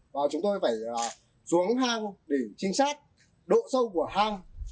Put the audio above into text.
và chúng tôi phải xuống hang để trinh sát độ sâu của hang